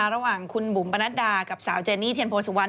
ระหว่างคุณบุ๋มตะนะดากับสาวเจนนี่เทียนโครสวันต์